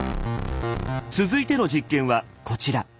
続いての実験はこちら。